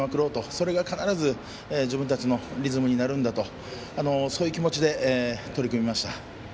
それが必ず自分たちのリズムになるんだとそういう気持ちで取り組みました。